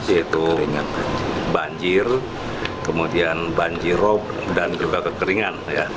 yaitu banjir kemudian banjirop dan juga kekeringan